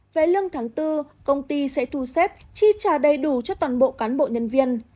về lương tháng bốn công ty sẽ thu xếp chi trả đầy đủ cho toàn bộ cán bộ nhân viên